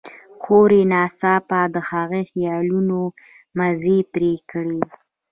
خور يې ناڅاپه د هغه د خيالونو مزی پرې کړ.